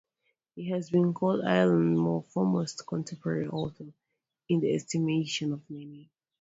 He has been called 'Iceland's foremost contemporary author, in the estimation of many'.